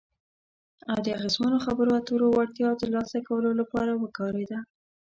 او د اغیزمنو خبرو اترو وړتیا ترلاسه کولو لپاره وکارېده.